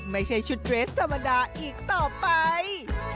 ไม่ใช่ชุดเรสธรรมดาอีกต่อไป